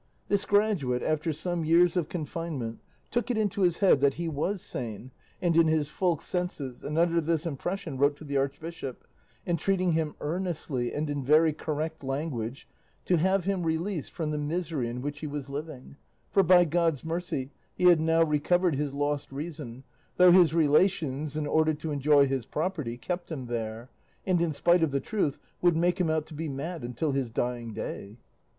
This graduate, after some years of confinement, took it into his head that he was sane and in his full senses, and under this impression wrote to the Archbishop, entreating him earnestly, and in very correct language, to have him released from the misery in which he was living; for by God's mercy he had now recovered his lost reason, though his relations, in order to enjoy his property, kept him there, and, in spite of the truth, would make him out to be mad until his dying day.